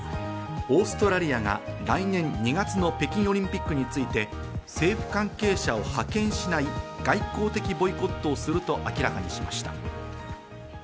オーストラリアが来年２月の北京オリンピックについて政府関係者を派遣しない外交的ボイコットをすると明らかにしました。